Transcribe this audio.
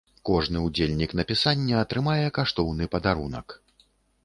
Кожны ўдзельнік напісання атрымае каштоўны падарунак.